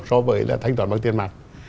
so với là thanh toán bằng tiền mặt